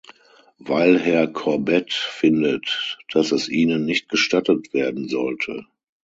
Weil Herr Corbett findet, dass es ihnen nicht gestattet werden sollte!